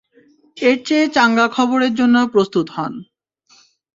এর চেয়ে চাঙ্গা খবরের জন্য প্রস্তুত হন।